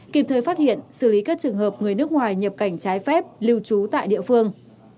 kịp thời phát hiện xử lý các trường hợp người nước ngoài nhập cảnh trái phép lưu trú tại địa phương